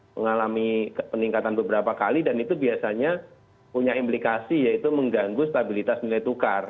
mengalami peningkatan beberapa kali dan itu biasanya punya implikasi yaitu mengganggu stabilitas nilai tukar